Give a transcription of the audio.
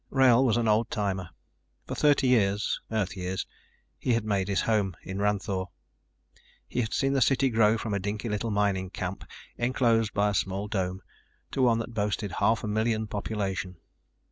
Wrail was an old timer. For thirty years Earth years he had made his home in Ranthoor. He had seen the city grow from a dinky little mining camp enclosed by a small dome to one that boasted half a million population.